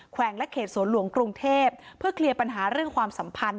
วงและเขตสวนหลวงกรุงเทพเพื่อเคลียร์ปัญหาเรื่องความสัมพันธ์